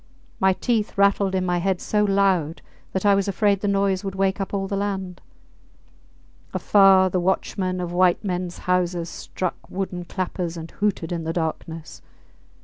My teeth rattled in my head so loud that I was afraid the noise would wake up all the land. Afar, the watchmen of white mens houses struck wooden clappers and hooted in the darkness.